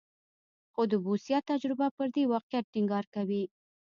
خو د بوسیا تجربه پر دې واقعیت ټینګار کوي.